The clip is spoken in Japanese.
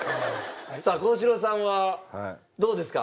さあ幸四郎さんはどうですか？